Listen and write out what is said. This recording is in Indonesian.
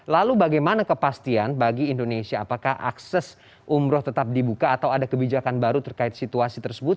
lalu bagaimana kepastian bagi indonesia apakah akses umroh tetap dibuka atau ada kebijakan baru terkait situasi tersebut